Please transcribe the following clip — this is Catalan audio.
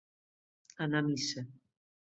Anar a missa.